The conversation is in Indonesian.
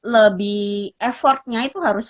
lebih effortnya itu harus